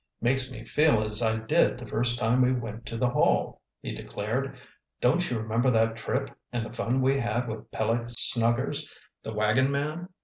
"Makes me feel as I did the first time we went to the Hall," he declared. "Don't you remember that trip, and the fun we had with Peleg Snuggers, the wagon man?"